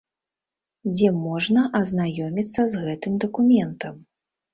Дзе можна азнаёміцца з гэтым дакументам?